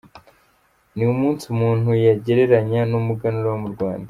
Ni umunsi umuntu yagereranya n’umuganura wo mu Rwanda.